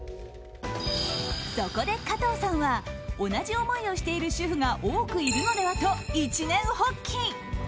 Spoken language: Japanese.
そこで加藤さんは同じ思いをしている主婦が多くいるのではと一念発起。